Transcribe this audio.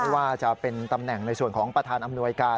ว่าจะเป็นตำแหน่งในส่วนของประธานอำนวยการ